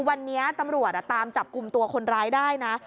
วันนี้ตำรวจตามจับกลุ่มตัวคนร้ายได้นะ